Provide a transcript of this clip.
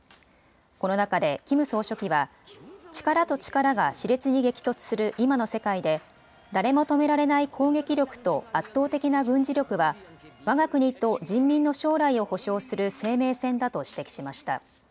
この中でキム総書記は力と力がしれつに激突する今の世界で誰も止められない攻撃力と圧倒的な軍事力はわが国と人民の将来を保証する生命線だと指摘しました。